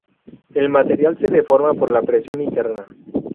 El material se deforma por la presión interna.